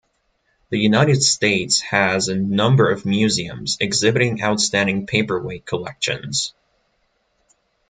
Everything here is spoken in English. The United States has a number of museums exhibiting outstanding paperweight collections.